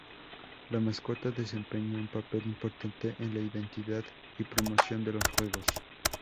La mascota desempeña un papel importante en la identidad y promoción de los Juegos.